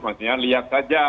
maksudnya lihat saja